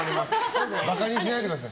バカにしないでください。